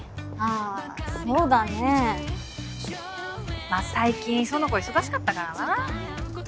あそうだね。まあ最近苑子忙しかったからな。